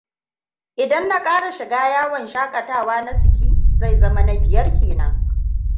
Idan na kara shiga yawon shakatawa na Ski zai zama na biyar kenan.